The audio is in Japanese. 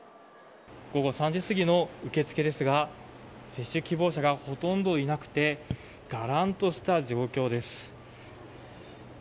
午後３時過ぎの受付ですが接種希望者がほとんどいなくてがらんとした状況です。